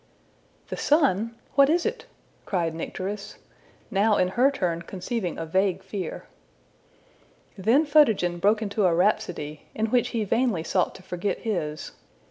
'' ``The sun! what is it?'' cried Nycteris, now in her turn conceiving a vague fear. Then Photogen broke into a rhapsody, in which he vainly sought to forget his.